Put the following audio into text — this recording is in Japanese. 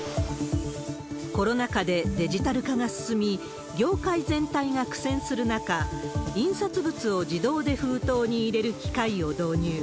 コロナ禍でデジタル化が進み、業界全体が苦戦する中、印刷物を自動で封筒に入れる機会を導入。